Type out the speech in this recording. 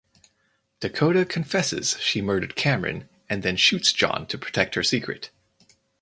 Dakota confesses she murdered Cameron and then shoots John to protect her secret.